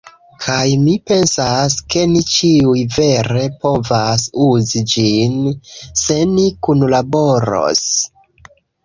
Kaj mi pensas, ke ni ĉiuj vere povas uzi ĝin, se ni kunlaboros.